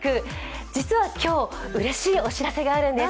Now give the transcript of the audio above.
実は今日、うれしいお知らせがあるんです。